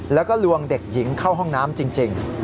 แล้วก็ลวงเด็กหญิงเข้าห้องน้ำจริง